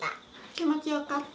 気持ちよかった？